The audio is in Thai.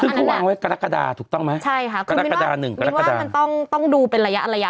ซึ่งเขาวางไว้กรกฎาถูกต้องไหมกรกฎาหนึ่งกรกฎาใช่ค่ะคือมีนว่ามันต้องดูเป็นระยะ